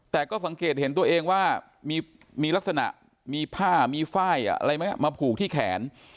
แต่ก็สังเกตเห็นตัวเองว่ามีลักษณะมีผ้ามีฝ้ายอะไรไหมมาผูกที่แขน